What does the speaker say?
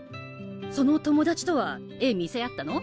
その友達とは絵見せ合ったの？